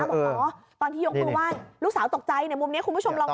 บอกอ๋อตอนที่ยกมือไหว้ลูกสาวตกใจในมุมนี้คุณผู้ชมลองดู